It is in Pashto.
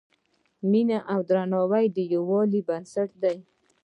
مینه او درناوی د یووالي بنسټ دی.